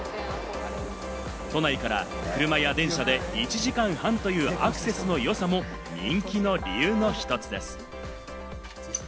都内から車や電車で１時間半というアクセスの良さも人気の理由の１つです。